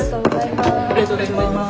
ありがとうございます。